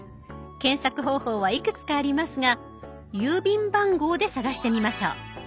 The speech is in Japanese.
検索方法はいくつかありますが郵便番号で探してみましょう。